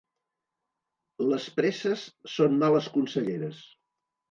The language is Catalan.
Les presses són males conselleres.